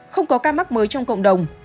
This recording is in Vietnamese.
không có ca mắc mới trong cộng đồng